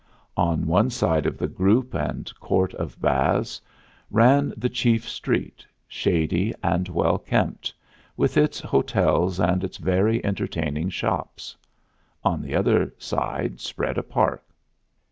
On one side of the group and court of baths ran the chief street, shady and well kempt, with its hotels and its very entertaining shops; on the other side spread a park.